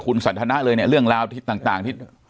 คุณสันธนะเลยเนี่ยเรื่องราวที่ต่าง